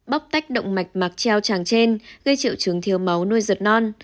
bóc tách động mạch mạc treo tràng trên gây triệu chứng thiếu máu nuôi ruột non